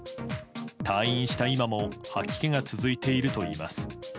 退院した今も吐き気が続いているといいます。